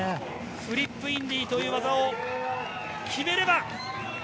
フリップインディという技を決めれば。